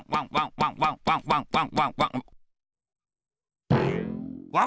ワンワンワンワンワン。